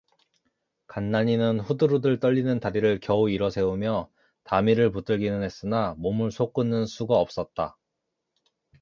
간난이는 후들후들 떨리는 다리를 겨우 일어세우며 담위를 붙들기는 했으나 몸을 솟구는 수가 없었다.